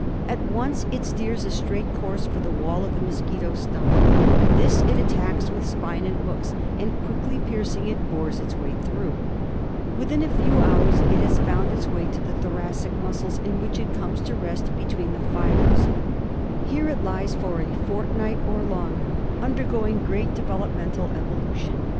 At FiUria in thorai. 8o FILARIASIS. once it steers a straight course for the wall of the mos quito's stomach. This it attacks with spine and hooks, and, quickly piercing it, bores its way through. Within la few hours it has found its way to the thoracic muscles, Sn which it comes to rest between the fibres. Here it lies for a fortnight or longer undergoing great developmental evolution.